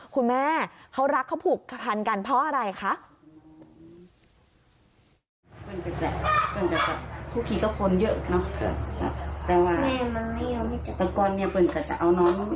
คุณแม่เขารักเขาผูกพันกันเพราะอะไรคะ